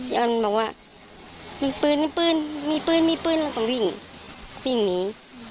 ออนบอกว่ามีปืนมีปืนมีปืนมีปืนแล้วก็วิ่งวิ่งหนี